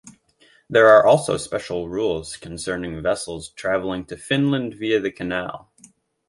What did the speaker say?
There are also special rules concerning vessels traveling to Finland via the canal.